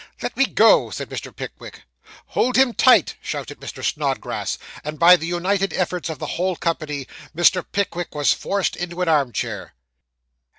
'Let me go,' said Mr. Pickwick. 'Hold him tight,' shouted Mr. Snodgrass; and by the united efforts of the whole company, Mr. Pickwick was forced into an arm chair.